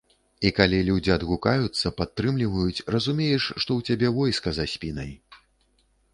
І калі людзі адгукаюцца, падтрымліваюць, разумееш, што ў цябе войска за спінай.